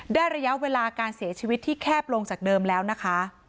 ระยะเวลาการเสียชีวิตที่แคบลงจากเดิมแล้วนะคะ